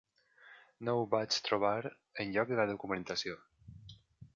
No ho vaig trobar enlloc de la documentació.